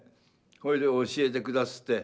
それで教えてくだすって。